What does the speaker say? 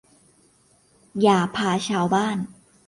อย่าพาชาวบ้าน